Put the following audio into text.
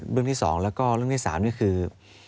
เรื่องที่๒แล้วก็เรื่องที่๓นี่คือ